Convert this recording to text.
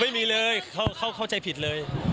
ไม่มีเลยเขาเข้าใจผิดเลย